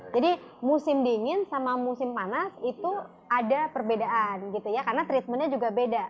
jadi musim dingin sama musim panas itu ada perbedaan karena treatmentnya juga beda